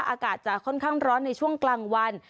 อากาศจะค่อนข้างร้อนในช่วงกลางวัน